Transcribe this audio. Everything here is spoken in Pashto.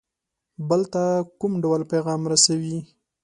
بل ته کوم ډول پیغام رسوي.